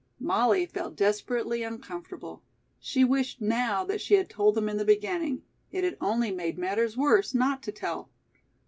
Molly felt desperately uncomfortable. She wished now that she had told them in the beginning. It had only made matters worse not to tell.